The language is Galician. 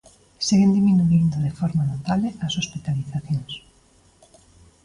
Seguen diminuíndo de forma notable as hospitalizacións.